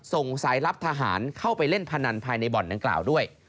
ส่งสายลับทหารเข้าไปเล่นพนันภายในบ่อนดังกล่าวด้วย